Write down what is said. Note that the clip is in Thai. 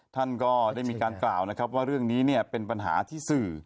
ท่านก็ได้มีการกล่าวนะครับว่าเรื่องนี้เป็นปัญหาที่สื่อ